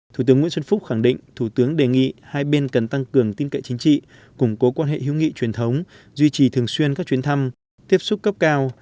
thủ tướng nguyễn xuân phúc khẳng định thủ tướng đề nghị hai bên cần tăng cường tin cậy chính trị củng cố quan hệ hữu nghị truyền thống duy trì thường xuyên các chuyến thăm tiếp xúc cấp cao